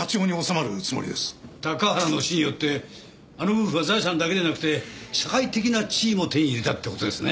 高原の死によってあの夫婦は財産だけでなくて社会的な地位も手に入れたって事ですね。